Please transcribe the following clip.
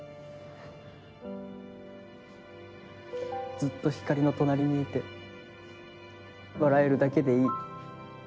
ずっとひかりの隣にいて笑えるだけでいい。